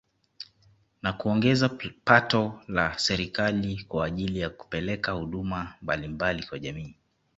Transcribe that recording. Na kuongeza pato la serikali kwa ajili ya kupeleka huduma mbalimbali kwa jamii